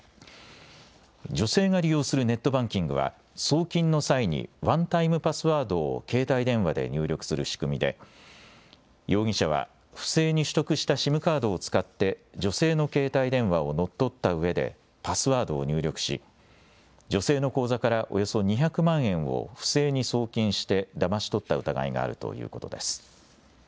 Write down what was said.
女性が利用するネットバンキングは送金の際にワンタイムパスワードを携帯電話で入力する仕組みで容疑者は不正に取得したＳＩＭカードを使って女性の携帯電話を乗っ取ったうえでパスワードを入力し女性の口座からおよそ２００万円を不正に送金して、だまし取った疑いがあるということです。